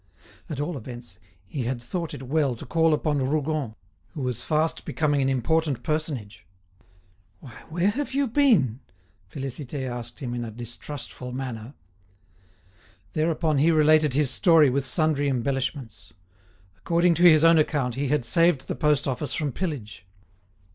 At all events, he had thought it well to call upon Rougon, who was fast becoming an important personage. "Why! where have you been?" Félicité asked him in a distrustful manner. Thereupon he related his story with sundry embellishments. According to his own account he had saved the post office from pillage.